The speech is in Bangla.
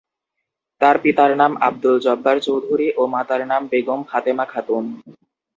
তার পিতার নাম আব্দুল জব্বার চৌধুরী ও মাতার নাম বেগম ফাতেমা খাতুন।